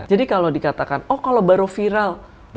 jadi kalau dikatakan oh kalau baru viral